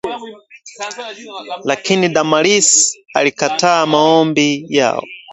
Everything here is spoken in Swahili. lakini Damaris alikataa maombi yao